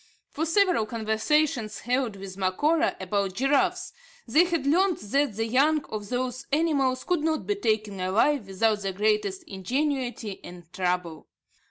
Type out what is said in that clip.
From several conversations held with Macora about giraffes, they had learnt that the young of those animals could not be taken alive without the greatest ingenuity and trouble.